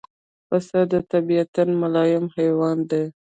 پسه د طبعاً ملایم حیوان دی.